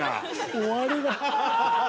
終わりが。